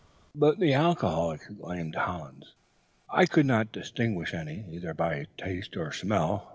"'But the alcohol!' exclaimed Hollins. "I could not distinguish any, either by taste or smell.